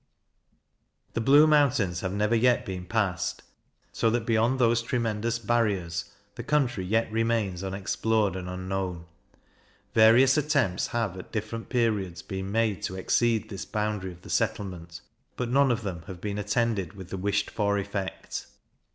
The Blue Mountains have never yet been passed, so that beyond those tremendous barriers, the country yet remains unexplored and unknown. Various attempts have, at different periods, been made to exceed this boundary of the settlement; but none of them have been attended with the wished for effect.